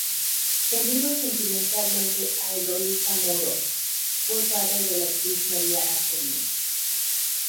Unido sentimentalmente a Eloísa Muro, fue padre de la actriz María Asquerino.